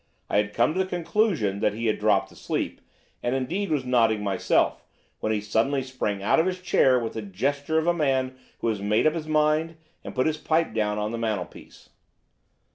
I had come to the conclusion that he had dropped asleep, and indeed was nodding myself, when he suddenly sprang out of his chair with the gesture of a man who has made up his mind and put his pipe down upon the mantelpiece.